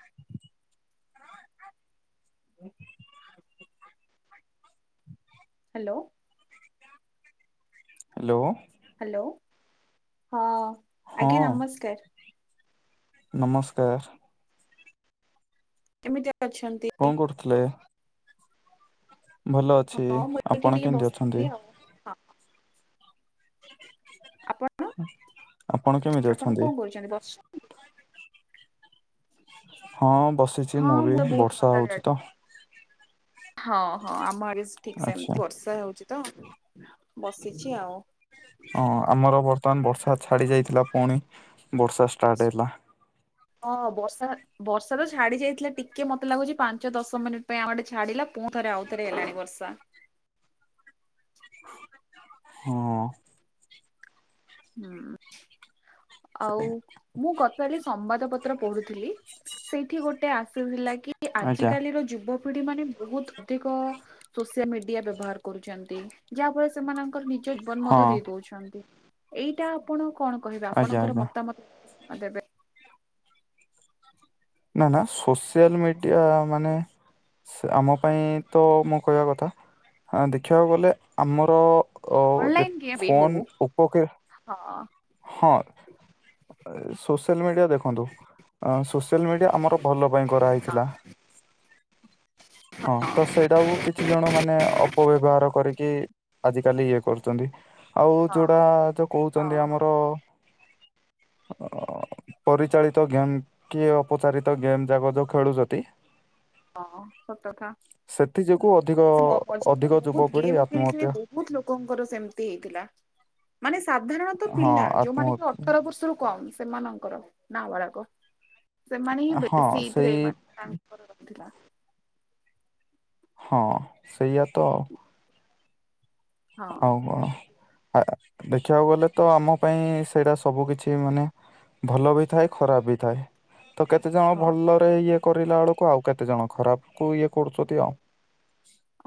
ହ [inaudible] hello. Hello. Hello ହଁ ହଁ ଆଜ୍ଞା ନମସ୍କାର। ନମସ୍କାର। କେମିତି ଅଛନ୍ତି? କଣ କରୁଥିଲେ? ଭଲ ଅଛି ହଁ ମୁଁ ଏଇଠି ଆପଣ ଟିକେ କେମିତି ଅଛନ୍ତି? ବସିଥିଲି ଆଉ ହଁ। ଆପଣ ଆପଣ କେମିତି ଅଛନ୍ତି? ଚନ୍ତି ବସିଚନ୍ତି। ହଁ ବସିଛି ହଁ ମୁଁ ବି ବହୁତ ବର୍ଷା ଭଲରେ ହଉଛି ଅଛି। ତ। ହଁ ହଁ ଆମ ଆଡେ ଠିକ୍ ଆଚ୍ଛା ସେମିତି ବର୍ଷା ହଉଚି ତ ବସିଚି ଆଉ। ହଁ ଆମର ବର୍ତ୍ତମାନ ବର୍ଷା ଛାଡି ଯାଇଥିଲା ପୁଣି ବର୍ଷା ଷ୍ଟାର୍ଟ ହେଲା। ହଁ ବର୍ଷା ବର୍ଷା ତ ଛାଡି ଯାଇଥିଲା ଟିକେ ମତେ ଲାଗୁଛି ପାଞ୍ଚ ଦଶ ମିନିଟ୍ ପାଇଁ ଆମ ଆଡ଼େ ଛାଡିଲା। ପୁଣି ଥରେ ଆଉଥରେ ହେଲାଣି ବର୍ଷା। ହଁ। ହୁଁ। ଆଉ ମୁଁ ଗତକାଲି ସମ୍ବାଦ ପତ୍ର ପଢୁଥିଲି ସେଇଠି ଗୋଟେ ଆସୁଥିଲା କି ଆଜି ଆଜ୍ଞା କାଲିର ଯୁବ ପିଢି ମାନେ ବହୁତ ଅଧିକ ସୋସିଆ ମିଡିଆ ବ୍ୟବହାର କରୁଛନ୍ତି ଯାହା ଫଳରେ ସେମାନ ନିଜ ବନ ହଁ ମଧ୍ୟ ଦେଇ ଦଉଛନ୍ତି। ଏଇଟା ଆପଣ କଣ କହିବେ ଆଜ୍ଞା ଆପଣଙ୍କର ଆଜ୍ଞା ମତାମ ଆ ଦେବେ ନା ନା ସୋସିଆଲ ମିଡ଼ିଆ ମାନେ ସେ ଆମ ପାଇଁ ତ ମୁଁ କହିବା କଥା ଦେଖିବାକୁ ଗଲେ ଆମର ଓ ଅନଲାଇନ ଯେ ଗେମ୍ ବି ହଉ ଫୋନ ଓପୋକ କେ ହଁ। ହଁ ସୋସିଆଲ ମିଡିଆ ଦେଖନ୍ତୁ। ସୋସିଆଲ ମିଡ଼ିଆ ଆମର ଭଲ ପାଇଁ କରା ହଁ ହେଇଥିଲା। [inaudible] ହଁ ତ ସେଇଟାକୁ କିଛି ଜଣ ମାନେ ଅପବ୍ୟବହାର କରିକି ଆଜିକାଲି ଇଏ କରୁଛନ୍ତି, ଆଉ ହଁ ହଁ ଯୋଉଟା ଯୋଉ କହୁଛନ୍ତି ଆମର ଅ [inaudible] ପରିଚାଳିତ ଗେମ୍ କିଏ ଅପଚାରିତ ଗେମ୍ ଯାକ ଯୋଉ ଖେଳୁଚନ୍ତି ହଁ ସତକଥା। ସେଥି ଯୋଗୁ ଅଧିକ ମଝିରେ ତ ଅଧିକ ବହୁତ ଯୁବପିଢି ଗେମ୍ ଖେଳି ଖେଳି ଆତ୍ମହତ୍ୟା ବହୁତ ଲୋକଙ୍କର ସେମିତି ହେଇଥିଲା ମାନେ ସାଧାରଣତ ହଁ ପିଲା ଯୋଉମାନେ କି ଆତ୍ମହତ୍ୟା ଅଠର ବର୍ଷରୁ କମ ସେମାନଙ୍କର ନାବାଳକ ସେମାନେ ହିଁ ହଁ ବେଶୀ ଏଇଥିରେ ସେଇ ମାନେ ତାଙ୍କର ଥିଲା। ହଁ ସେଇଆ ତ। [inaudible] ହଁ ଆଉ କଁ ଦେଖିବାକୁ ଗଲେ ତ ଆମ ପାଇଁ ସେଇଟା ସବୁ କିଛି ମାନେ ଭଲ ବି ଥାଏ ଖରାପ ବି ଥାଏ ତ କେତେ ଜଣ ହଁ। ଭଲ ଇଏ କରିଲା ବେଳକୁ ଆଉ କେତେ ଜଣ ଖରାପ କୁ ଇଏ କରୁଚୁତି ଆଉ।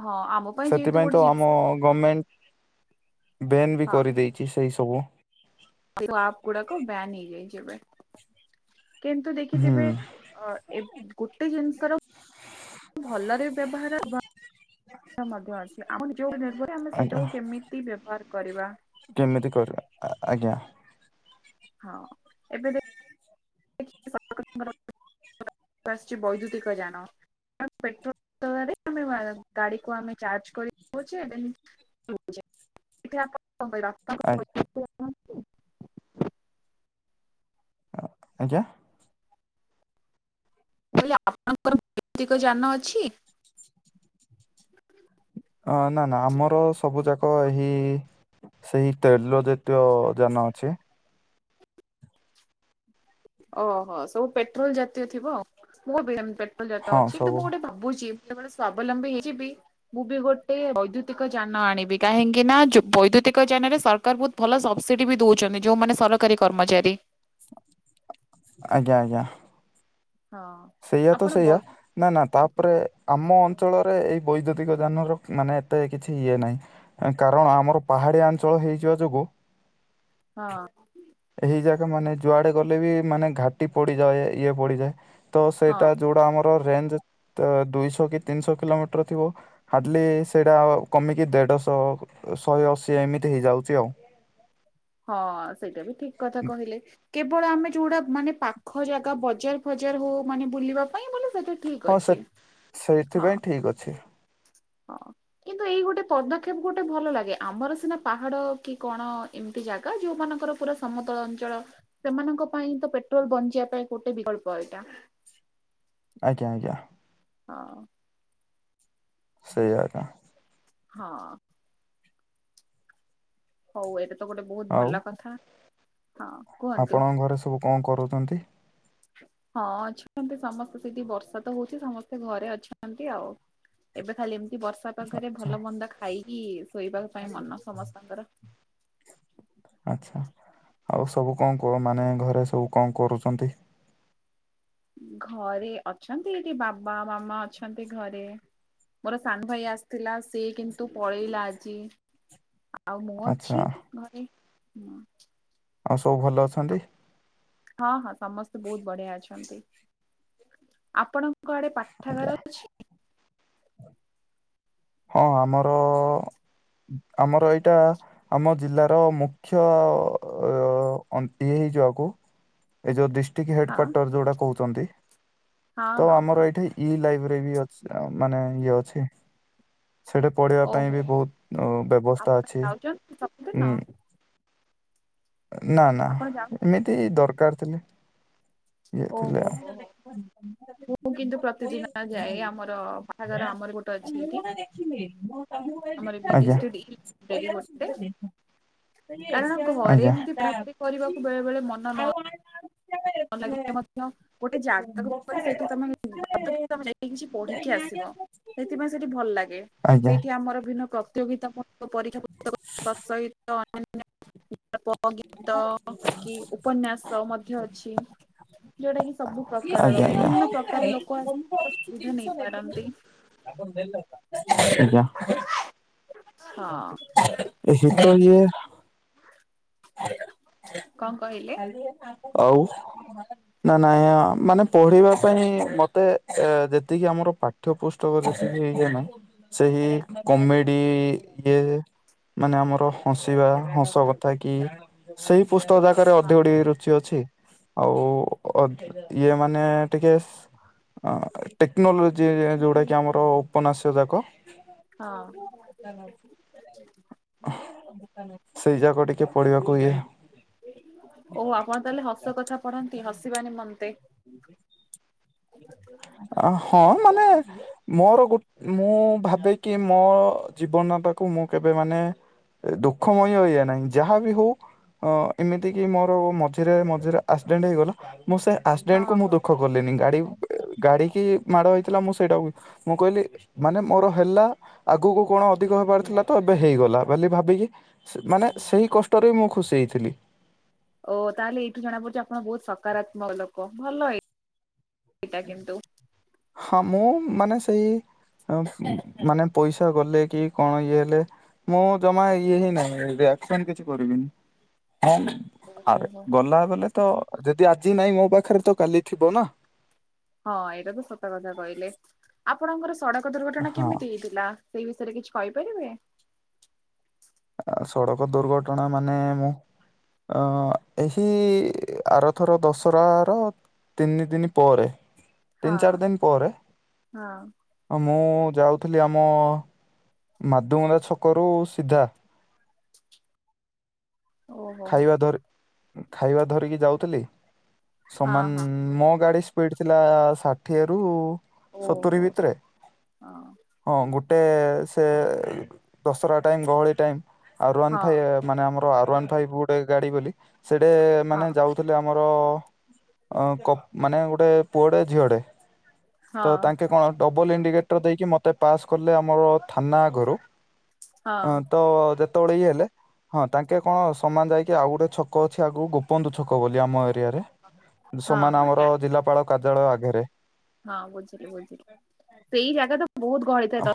ହଁ ଆମ ପାଇଁ ଯେହେତୁ ଗୋଟେ ଜିନିଷ ଗମେଣ୍ଟ। ବେନ୍ ବି ହଁ କରିଦେଇଛି ସେଇ ସବୁ। ଆପ ଗୁଡାକ ବ୍ୟାନ୍ ହେଇଯାଇଚି ଏବେ କିନ୍ତୁ ହୁଁ ଦେଖିଥିବେ ଅ ଏ ଗୋଟେ ଜିନିଷର ଭଲରେ ବ୍ୟବହାର ହବ ମଧ୍ୟ ଅଛି ଆମ ନିଭର ଆମେ ଆଜ୍ଞା ସେଇଟାକୁ କେମିତି ବ୍ୟବହାର କରିବା। କେମିତି କରିବା ଆଜ୍ଞା। ହଁ ଏବେ ଦେ [unintelligible] ବୈଦ୍ୟୁତିକଜାନ [unintelligible] ଆମେ ଗାଡି କୁ ଆମେ ଚାର୍ଜ କରି ଦୋଉଚେ। ଆ- [unintelligible] ଆଜ୍ଞା। ହେଲେ ଆପଣଙ୍କ [unintelligible] ଯାନ ଅଛି। [unintelligible] ଅ ନା ନା ଆମର ସବୁ ଯାକ ଏହି ସେଇ ତେଲ ଜାତୀୟ ଜାନ ଅଛି। ଓହୋ, ସବୁ ପେଟ୍ରୋଲ ଜାତୀୟ ଥିବ, ମୁଁ ବି ଏମିତି ପେଟ୍ରୋଲ ଜାତ ହଁ ଅଛି କିନ୍ତୁ ସବୁ ମୁଁ ଗୋଟେ ଭାବ ଭାବୁଛି ଯେତେବେଳେ ସ୍ଵାବଲମ୍ବୀ ହେଇଯିବି ମୁଁ ବି ଗୋଟେ ବୈଦ୍ୟୁତିକ ଯାନ ଆଣିବି କାହିଁକି ନା ବୈଦ୍ୟୁତିକ ଯାନ ରେ ସରକାର ବହୁତ ଭଲ ସବସିଡି ବି ଦଉଛନ୍ତି ଯଉମାନେ ସରକାରୀ କର୍ମଚାରୀ। [inaudible] ଆଜ୍ଞା, ଆଜ୍ଞା। ହଁ। ସେଇଆ ତ ଆପଣ ସେଇଆ। ବୈ ନା ନା ତାପରେ ଆମ ଅଞ୍ଚଳରେ ଏଇ ବୈଦ୍ୟୁତିକ ଯାନର ମାନେ ଏତେ କିଛି ଇଏ ନାହିଁ। କାରଣ ଆମର ପାହାଡ଼ିଆ ଅଞ୍ଚଳ ହେଇଯିବା ଯୋଗୁ ହଁ। ଏଇ ଯାଗା ମାନେ ଯୁଆଡେ ଗଲେ ବି ମାନେ ଘାଟି ପଡିଯାଏ ଇଏ ପଡିଯାଏ। ତ ହଁ ସେଇଟା ଯୋଉଟା ଆମର ରେଞ୍ଜ ଦୁଇଶ କି ତିନିଶ କିଲୋମିଟର ଥିବ ହାର୍ଡ଼ଲି ସେଇଟା କମିକି ଦେଢ଼ଶହ ଶହେ ଅଶୀ ଏମିତି ହେଇଯାଉଚି ଆଉ। ହଁ ସେଇଟା ବି ଠିକ କଥା କହିଲେ। କେବଳ ଆମେ ଯୋଉଟା ମାନେ ପାଖ ଜାଗା ବଜାର ଫଜାର ହଉ ମାନେ ବୁଲିବା ପାଇଁ ବୋଲେ ସେଇଟା ଠିକ୍ ହଁ ସେ ଅଛି ହଁ। ସେଇଥିପାଇଁ ଠିକ୍ ଅଛି। ହଁ କିନ୍ତୁ ଏଇ ଗୋଟେ ପଦକ୍ଷେପ ଗୋଟେ ଭଲ ଲାଗେ ଆମର ସିନା ପାହାଡ଼ କି କଣ ଏ ଜାଗା ଯୋଉମାନଙ୍କର ପୁରା ସମତଳ ଅଞ୍ଚଳ ସେମାନଙ୍କ ପାଇଁ ତ ପେଟ୍ରୋଲ ବଞ୍ଚିବା ପାଇଁ ଗୋଟେ ବିକଳ୍ପ ଏଇଟା। ଆଜ୍ଞା ଆଜ୍ଞା। ହଁ। ସେଇ ଆଞା। ହଁ। ହଉ ଏଇଟା ତ ଗୋଟେ ବହୁତ ଆଉ ଭଲ କଥା ହଁ। କୁହନ୍ତୁ। ଆପଣଙ୍କ ଘରେ ସବୁ କଣ କରୁଛନ୍ତି? ହଁ ଅଛନ୍ତି ସମସ୍ତେ ସେଠି ବର୍ଷା ତ ହଉଛି ସମସ୍ତେ ଘରେ ଅଛନ୍ତି ଆଉ। ଏବେ ଖାଲି ଏମିତି ବର୍ଷା ପାଖରେ ଆଚ୍ଛା ଭଲ ମନ୍ଦ ଖାଇକି ଶୋଇବା ପାଇଁ ମନ ସମସ୍ତଙ୍କର। ଆଛା। ଆଉ ସବୁ କଣ କ ମାନେ ଘରେ ସବୁ କଣ କରୁଛନ୍ତି? ଘରେ ଅଛନ୍ତି ଏଠି ବାବା ମାମା ଅଛନ୍ତି ଘରେ। ମୋର ସାନ ଭାଇ ଆସିଥିଲା ସେ କିନ୍ତୁ ପଳେଇଲା ଆଜି, ଆଉ ମୁଁ ଆଚ୍ଛା ଅଛି ଘରେ ମୁଁ ଆଉ ସବୁ ଭଲ ଅଛନ୍ତି? ହଁ ହଁ ସମସ୍ତେ ବହୁତ ବଢିଆ ଅଛନ୍ତି। ଆପଣ କୁଆଡେ ଆଜ୍ଞା ପାଠାଗାରା ଅଛି? ହଁ ଆମର ଆମର ଏଇଟା ଆମ ଜିଲ୍ଲାର ମୁଖ୍ୟ ଅ ଅ ଅନ୍ତି ହେଇ ଯିବାକୁ ଏ ଯୋଉ ଦି ଠିକ୍ ହେଡ ହଁ କ୍ୱାର୍ଟର ଯୋଉଟା କହୁଛନ୍ତି ହଁ ତ ହଁ ହଁ ଆମର ଏଇଠି ଇ ଲାଇବ୍ରେରୀ ବି ଅଛି ମାନେ ଇଏ ଅଛି। ସେଠି ପଢ଼େଇବା ପାଇଁ ଓହୋ ବି ବହୁତ ବ୍ୟବସ୍ଥା ଆପଣ ଅଛି। ଯାଉଛନ୍ତି ସବୁଦିନ ହୁଁ। ନା ନା ଆପଣ ଯାଉ ଏମିତି ଦରକାର ଥିଲେ, ଇଏ ଓହୋ ଥିଲେ ହୋ ହୋ ଆଉ। ମୁଁ କିନ୍ତୁ ପ୍ରତିଦିନ ଯାଏ ଆମର ବାହାଘର ଆମର ଗୋଟେ ଅଛି ଏଇଠି। ଆମର ଏ ବିଡ୍ ଆଜ୍ଞା ଷ୍ଟଡି ବ୍ରେରୀ ଗୋଟେ କାରଣ ଘରେ ଆଜ୍ଞା ଏମତି ପଢ଼ାପଢ଼ି କରିବାକୁ ବେଳେ ବେଳେ ମନ ନ ଲାଗିଲେ ମଧ୍ୟ ଗୋଟେ ଜାଗାକୁ ଗଲେ ସେଇଠି ତମେ [unintelligible] କିଛି ପଢିକି ଆସିବ। ସେଥିପାଇଁ ସେଠି ଭଲ ଲାଗେ ଆଜ୍ଞା ସେଇଠି ଆମର ଭିନ୍ନ କ ପ୍ରତିଯୋଗିତା ପରୀକ୍ଷା ପକ [inaudible] ତା ସହିତ ଅନ୍ୟାନ୍ୟ ଗଳ୍ପ, ଗୀତ କି ଉପନ୍ୟାସ ମଧ୍ୟ ଅଛି। ଯୋଉଟା କି ସବୁ ପ୍ରକାରର ଆଜ୍ଞା ଆଜ୍ଞା ବିଭିନ୍ନ ପ୍ରକାର ଲୋକ ଆସିବାର ସୁବିଧା ନେଇପାରନ୍ତି। ତାଙ୍କର ଦେଲ ନା? ଆଜ୍ଞା। ହଁ। ସେ ତ ଇଏ କଣ କହିଲି? ଆଉ ନା ନାହିଁ ମାନେ ପଢିବା ପାଇଁ ମତେ ଯେତିକି ଆମର ପାଠ ପାଠ ପୁସ୍ତକ ଯେତିକି ଇଏ ନା ସେହି କମେଡି ଇଏ ମାନେ ଆମର ହସିବା ହସ କଥା କି ସେଇ ପୁସ୍ତକ ଜାକାରେ ଅଧିକ ଟିକେ ରୁଚି ଅଛି ଆଉ ଇଏ ମାନେ ଟିକେ ଟେକ୍ନୋଲୋଜି ଯୋଉଟା କିି ଆମର ଉପନ୍ୟାସ ଯାକ ହଁ। ସେଇ ଯାକ ଟିକେ ପଢିବାକୁ ଇଏ ଓ ଆପଣ ତାହେଲେ ହସ କଥା ପଢନ୍ତି ହସିବା ନିିମନ୍ତେ ଅ ହଁ ମାନେ ମୋର ଗୋ ମୁଁ ଭାବେକିି ମୋ ଜୀବନତାକୁ ମୁଁ କେବେ ମାନେ ଦୁଃଖମୟ ଇଏ ନାହିଁ ଯାହା ବିି ହଉ ଅ ଏମିତିକି ମୋର ମଝିରେ ମଝିରେ ଆକ୍ସିଡେଣ୍ଟ ହେଇଗଲା। ମୁଁ ସେ ଆକ୍ସିଡେଣ୍ଟକୁ ହଁ ମୁଁ ଦୁଃଖ କଲିନି। ଗାଡ଼ି-ଗାଡ଼ି କି ମାଡ଼ ହେଇଥିଲା ମୁଁ ସେଇଟାକୁ ମୁଁ କହିଲି ମାନେ ମୋର ହେଲା। ଆଗକୁ କଣ ଅଧିକ ହେବାର ଥିଲା ତ ଏବେ ହେଇଗଲା। ବୋଲି ଭାବିକି ମାନେ ସେହି କଷ୍ଟରେ ବି ମୁଁ ଖୁସି ହେଇଥିଲି। ଓ ତାହେଲେ ଏଇଠୁ ଜଣା ପଡୁଛି। ଆପଣ ବହୁତ୍ ସକାରାତ୍ମକ ଲୋକ। ଭଲ ଏଇ-ଏଇଟା କିନ୍ତୁ ହଁ। ମୁଁ ମାନେ ସେଇ ନମସ୍କାର୍। ମାନେ ପଇସା ଗଲେ କି କଣ ଇଏ ହେଲେ ମୁଁ ଜମା ଇଏ ହିଁ ନାହିଁ ରିଆକ୍ସନ୍ କିଛି କରିବିନି। କଣ ପାଇଁ? ଓହୋ ଆରେ ହୋ ଗଲା ବଲେ ତ ଯଦି ଆଜି ନାଇଁ ମୋ ପାଖରେ ତ କାଲି ଥିବ ନା। ହଁ ଏଇଟା ତ ସତ କଥା କହିଲେ। ଆପଣଙ୍କର ସଡ଼କ ଦୁର୍ଘଟଣା ହଁ କେମିତି ହେଇଥି ଲାସ ସେଇ ବିଷୟରେ କିଛି କହିପାରିବେ? ଆ ସଡ଼କ ଦୁର୍ଘଟଣା ମାନେ ମୁଁ ଅ ଏହି ଆରଥର ଦଶରା ର ତିନି ଦିନି ପରେ ହଁ ତିନି ଚାରି ଦିନ ପରେ। ହଁ ଆ ମୁଁ ଯାଉଥିଲି ଆମ ମାଧୁମନ୍ଦା ଛକରୁ ସିଧା ଓହୋ ହୋ ଖାଇବା ଧରି ଖାଇବା ଧରିକି ଯାଉଥିଲି। ହଁ ହଁ ସମାନ ମୋ ଗାଡି ସ୍ପି ସ୍ପିଡ୍ ଥିଲା ଷାଠିଏ ରୁ ସତୁରି ଓହୋ ହୋ ଭିତରେ। ହଁ। ହଁ ଗୋଟେ ସେ ଦଶରା ଟାଇମ୍ ଗହଳି ଟାଇମ୍। ଆରୱାନ ହଁ ଫାଇ ମାନେ ଆମର ଆରୱାନ ଫାଇଭ ଗୋଟେ ଗାଡି ବୋଲି ସେଟେ ହଁ ମାନେ ଯାଉ ଥିଲେ ଆମର କ-ମାନେ ଗୋଟେ ପୁଅଟେ ଝିଅଟେ। ତ ହଁ ତାଙ୍କେ କଣ ଡବଲ ଇଣ୍ଡିକେଟର ଦେଇକି ମତେ ମତେ ପାସ୍ କଲେ ଆମର ଥାନା ଆଗରୁ। ହଁ ତ ଯେତେବେଳେ ଇଏ ହେଲେ ହଁ। ତାଙ୍କେ କଣ ସମାନ ଯାଇକି ଆଉ ଗୋଟେ ଛକ ଅଛି। ଆଗକୁ ଗୋପବନ୍ଧୁ ଛକ ବୋଲି ଆମ ଏରିଆରେ। ହଁ ସମାନ ହଁ ଆମର ଜା ଜିଲ୍ଲାପାଳ କାର୍ଯ୍ୟାଳୟ ଆଗରେ। [unintelligible]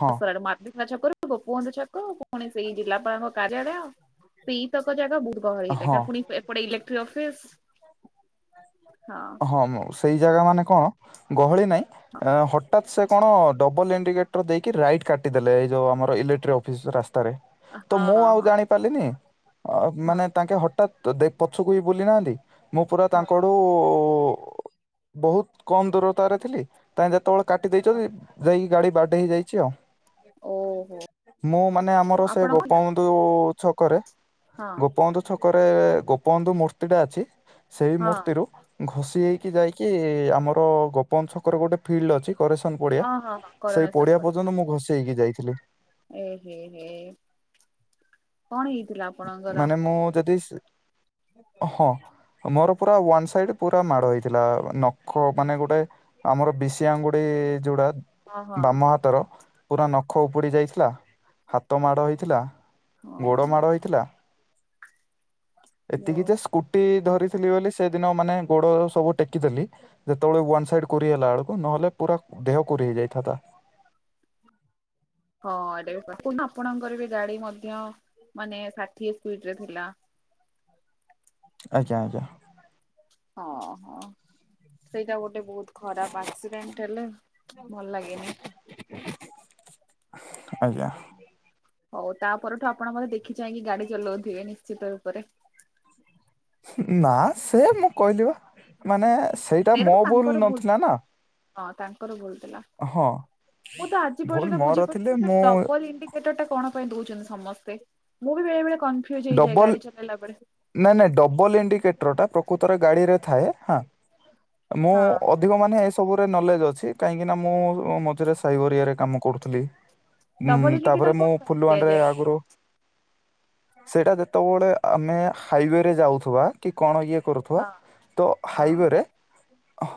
ହଁ ଛକ ପୁଣି ସେଇ ଜିଲ୍ଲାପାଳଙ୍କ କାର୍ଯ୍ୟାଳୟ। ସେଇ ତକ ଜାଗା ବହୁତ୍ ଗହଳି ହେଇଥାଏ। ତା ହଁ ପୁଣି ଏପଟେ ଇଲେକ୍ଟ୍ରିକ୍ ଅଫିସ୍। ହ। ହଁମ ସେଇ ଜାଗା ମାନେ କଣ ଗହଳି ନାଇଁ ଆ ହଟ୍ ହଟାତ୍ ସେ କଣ ଡବଲ ଇଣ୍ଡିକେଟର ଦେଇକି ରାଇଟ୍ କାଟିଦେଲେ। ଏଇ ଯୋଉ ଆମର ଇଲେକ୍ଟ୍ରିକ୍ ଅଫିସ ରାସ୍ତାରେ। ତ ହଁ ମୁଁ ଆଉ ହଁ ଜାଣିପାରିଲିନି। ହଁ। ଅ-ମାନେ ତାଙ୍କେ ହଠାତ୍ ଦେଖ୍ ପଛକୁ ବିି ବୁଲି ନାହାନ୍ତି। ମୁଁ ପୁରା ହଁ ତାଙ୍କ ହଁ ଆଡୁ ବଉ ବହୁତ୍ କମ ଦୂରତାରେ ଥିଲି। ତାଙ୍କେ ଯେତେବେଳେ କାଟି ଦେଇଛନ୍ତି ଯାଇକି ଗାଡ଼ି ବାଡେଇ ହେଇଯାଇଛି ଆଉ। ଓହୋ ମୁଁ ମାନେ ଓହୋ ଆମର ସେ ଆପଣ ହଁ ଗୋପବନ୍ଧୁ ଯୋଉ ଛକରେ ହଁ ଗୋପବନ୍ଧୁ ଛକରେ ଗୋପବନ୍ଧୁ ମୂର୍ତ୍ତି ଟା ଅଛି। ସେଇ ହଁ ମୂର୍ତ୍ତିରୁ ଘଷି ହେଇକି ଯାଇକି ଆମର ଗୋପବନ୍ଧୁ ଛକରେ ଗୋଟେ ଫିଲ୍ଡ ଅଛି। କରେସନ୍ ପଡିଆ। ହଁ ହଁ ସେଇ କରୁଣାସନ ପଡିଆ ପଡି ପର୍ଯ୍ୟନ୍ତ ମୁଁ ଘଷି ହେଇକି ଯାଇଥିଲି। ଏ ହେ ହେ କଣ ହେଇଥିଲା? ଆପଣଙ୍କର? ମାନେ ମୁଁ ଯଦିସ୍ ହଁ ମୋର ପୁରା ୱାନ୍ ସାଇଡ୍ ପୁର ମାଡ଼ ହେଇଥିଲା ନ ଖ ମାନେ ଗୋଟାଏ ଆମର ବିଷି ଆଙ୍ଗୁଡ଼ି ଯୋଉଟା ହଁ ହଁ ବାମ ହାତର ପୁରା ନଖ ଉପୁଡ଼ି ଯାଇଥିଲା। ହାତ ମାଡ଼ ହୋଇଥିଲା, ଗୋଡ଼ ମାଡ଼ ହୋଇଥିଲା। ଏତିକି ହଁ ଯେ ସ୍କୁଟି ଧରିଥିଲି ବୋଲି ସେଦିନ ମାନେ ଗୋଡ଼ ସବୁ ଟେକିଦେଲି। ଯେତେବେଳେ ୱାନ୍ ସାଇଡ୍ କୁରି ହେଲା ବେଳକୁ ନହେଲେ ପୁରା ଦେହ କୁରି ହେଇ ଯାଇଥାନ୍ତା। [unintelligible] ଆଜ୍ଞା ଆଜ୍ଞା। ହଁ ହଁ ସେଇଟା ଗୋଟେ ବହୁତ୍ ଖରାପ୍ ଆକ୍ସିଡେଣ୍ଟ ହେଲେ ଭଲ ଲାଗେନି। ଆଜ୍ଞା। ହଉ ତାପରଠୁ ଆପଣ ଦେଖିଚାହିଁ କି ଗାଡି ଚଲୋଉଥିବେ ନିଶ୍ଚିତ ରୂପରେ। ନା ସେ ମୁଁ କହିଲି ନା ମାନେ ସେଇଟା ତ ମୋ ଭୁଲ୍ ତାଙ୍କର ଭୁଲ ନଥିଲା ନା। ହଁ ତାଙ୍କର ଭୁଲ୍ ଥିଲା ହଁ ମୁଁ ତ ଆଜି ଭୁଲ ପର୍ଯ୍ୟନ୍ତ ମୋର ଥିଲେ ବୁଝିପାରୁନି ମୁଁ ଡବଲ୍ ଇଣ୍ଡି ସେଈଟା କଣ ପାଇଁ ଦଉଚନ୍ତି ସମସ୍ତେ ମୁଁ ବି ବେଳେ ବେଳେ କନଫ୍ୟୁଜ୍ ହେଇଯାଏ ଡବଲ ଗାଡି ଚଲେଇଲା ବେଳେ। ନାଇଁ ନାଇଁ ଡବଲ ଇଣ୍ଡିକେଟର୍ ଟା ପ୍ରକୃତରେ ଗାଡିରେ ଥାଏ ହଁ ମୁଁ ହଁ ଅ ଅଧିକ ମାନେ ଏସବୁରେ ନଲେଜ୍ ଅଛି କାହିଁକିନା ମୁଁ ମଝିରେ ସାଇବରିଆରେ କାମ କରୁଥିଲି। ଡବଲ ଉଁ ତାପରେ ଇଣ୍ଡିକେଟର ମୁଁ କଣ ପାଇଁ ଫୁଲୁବାଣୀ ରେ ଦିଆଯାଏ? ଆଗୁରୁ ସେଟା ଯେତେବେଳେ ଆମେ ହାଇୱେରେ ଯାଉଥିବା। କି କଣ ଇଏ କରୁଥିବା ହଁ ତ ହଁ ହାଇୱାରେ ହ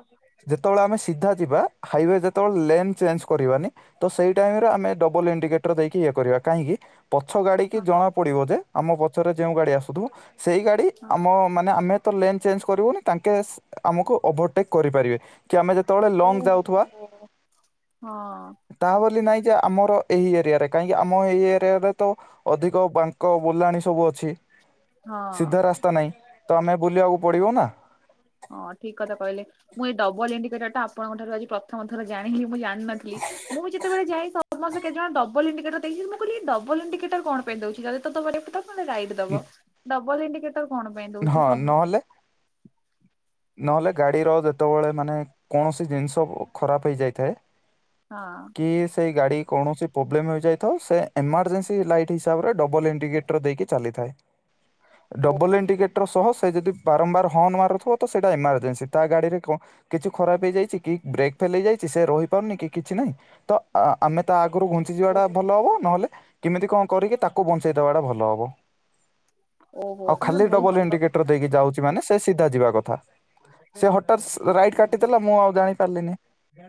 ଯେତେବେଳେ ଆମେ ସିଧା ଯିବା ହାଇୱେ ଯେତେବେଳେ ଲେନ୍ ଚେଞ୍ଜ୍ କରିବାନି ତ ସେଇ ଟାଇମ୍ ରେ ଆମେ ଡବଲ ଇଣ୍ଡିକେଟର୍ ଦେଇକି ଇଏ କରିବା କାହିଁକି ପଛ ଗାଡ଼ି କି ହଁ ଜଣା ପଡ଼ିବ ଯେ ଆମ ପଛରେ ଯେଉଁ ଗାଡ଼ି ଆସୁଥିବ ସେଇ ଗାଡ଼ି ହଁ ଆମ ମାନେ ଆମେ ତ ଲେନ୍ ଚେଞ୍ଜ୍ କରିବୁନି ତାଙ୍କେ ସ୍- ଆମକୁ ଓଭରଟେକ୍ କରିପାରିବେ। କି ଆମେ ଯେତେବେଳେ ଲଙ୍ଗ୍ ଓହୋ ଯାଉଥିବା। ହୋ ହଁ ତା ବୋଲି ନାଇଁ ଯେ ଆମର ଏଇ ଏରିଆରେ କାହିଁକି ଆମ ଏଇ ଏରିଆରେ ତ ଅଧିକ ବାନ୍ ଙ୍କ ବୁଲାଣି ସବୁ ଅଛି ହଁ ସିଧା ରାସ୍ତା ନାହିଁ ତ ଆମେ ବୁଲିବାକୁ ପଡ଼ିବ ନା। ହଁ ଠିକ୍ କଥା କହିଲେ ମୁଁ ଏଇ ଡବଲ୍ ଇଣ୍ଡିକେଟର୍ ଟା ଆପଣଙ୍କ ଠାରୁ ଆଜି ପ୍ରଥମଥର ଜାଣିଲି ମୁଁ ଜାଣ୍ ଜାଣିନଥିଲ ମୁଁ ଯେତେବେଳେ ଯାଇ ସମସ୍ତେ କେତେ ଜଣ ଡବ୍ ଡବଲ ଇଣ୍ଡିକେଟର୍ ଦେଇଚି ମୁଁ କହଲି ଡବଲ୍ ଇଣ୍ଡିକେଟର୍ କଣ ପାଇଁ ଦଉଚି ଯଦି ତ ଦବ ଲେଫ୍ଟ୍ ଦବ ନହଲେ ରାଇଟ୍ ଦବ ନ- ଡବଲ୍ ଇଣ୍ଡିକେଟର୍ କଣ ପାଇଁ ଦଉଛି ହଁ ସବୁବେଳେ। ନହେଲେ ନହେଲେ ଗାଡିର ଯେତେବେଳେ ମାନେ କୌଣସି ଜିନିଷ ଖରାପ୍ ହେଇଯାଇଥାଏ। ହଁ। କି ସେ ଗାଡ଼ି କୌଣସି ପ୍ରୋବ୍ଲେମ୍ ହେଇଯାଇଥାଉ ସେ ଏମର୍ଜେନ୍ସି ଲାଇଟ୍ ହିସାବରେ ଡବଲ୍ ଇଣ୍ଡିକେଟ୍ ଦେଇକି ଚାଲିଥାଏ। ଡବଲ୍ ଇଣ୍ଡିକେଟର୍ ସହ ସେ ଯଦି ବାରମ୍ବାର ହର୍ଣ୍ଣ ମାରୁଥିବ ତ ସେଇଟା ଏମାର୍ଜେନ୍ସି ତା ଗାଡିରେ କଣ୍ କିଛି ଖରାପ୍ ହେଇଯାଇଚି କି ବ୍ରେକ୍ ଫେଲ୍ ହେଇଯାଇଚି ସେ ରହି ପାରୁନି କି କିଛି ନାହିଁ ତ ଆ ଆମେ ତା ଆଗରୁ ଘୁଞ୍ଚି ଓ ଯିବାଟା ଭଲ ହବ ନହେଲେ କେମିତି କଣ କରିକି ତାକୁ ବଞ୍ଚେଇ ଦବାଟା ଭଲ ହବ। ଓହୋ ଆଉ ତାହେଲେ ଖାଲି ବହୁତ ଡବଲ ଭଲ ଇଣ୍ଡିକେଟର୍ କଥା। ଦେଇକି ଯାଉଚି। ମାନେ ସେ ସିଧା ଯିବା କଥା ସେ ହଟାତ୍ ସ୍ ରାଇଟ୍ କାଟିଦେଲା ମୁଁ ଆଉ ଯାଇ ପାରିଲିନି।